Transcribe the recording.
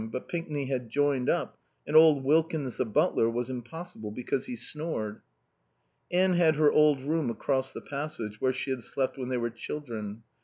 But Pinkney had joined up, and old Wilkins, the butler, was impossible because he snored. Anne had her old room across the passage where she had slept when they were children.